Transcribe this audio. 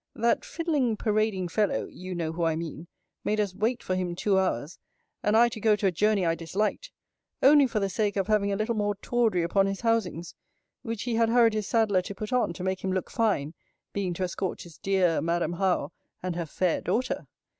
That fiddling, parading fellow [you know who I mean] made us wait for him two hours, and I to go to a journey I disliked! only for the sake of having a little more tawdry upon his housings; which he had hurried his sadler to put on, to make him look fine, being to escort his dear Madam Howe, and her fair daughter.